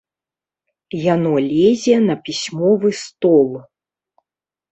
Яно лезе на пісьмовы стол.